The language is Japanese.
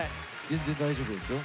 全然大丈夫ですよ。